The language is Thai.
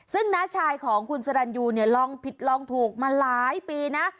ซึ่งน้าชายของคุณสรรยูเนี่ยลองผิดลองถูกมาหลายปีนะ